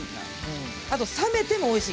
あと冷めてもおいしい。